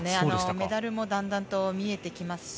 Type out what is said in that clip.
メダルもだんだんと見えてきますし